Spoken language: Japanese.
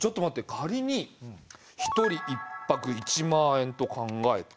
仮に１人１泊１万円と考えて。